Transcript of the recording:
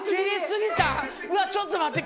うわっちょっと待って。